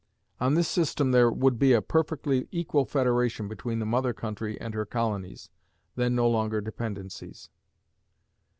On this system there would be a perfectly equal federation between the mother country and her colonies, then no longer dependencies.